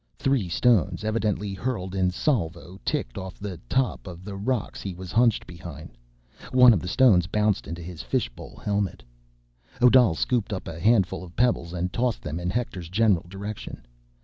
Three stones, evidently hurled in salvo, ticked off the top of the rocks he was hunched behind. One of the stones bounced into his fishbowl helmet. Odal scooped up a handful of pebbles and tossed them in Hector's general direction.